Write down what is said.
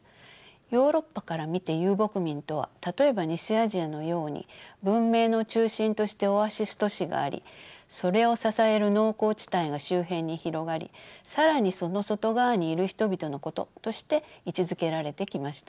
ヨーロッパから見て遊牧民とは例えば西アジアのように文明の中心としてオアシス都市がありそれを支える農耕地帯が周辺に広がり更にその外側にいる人々のこととして位置づけられてきました。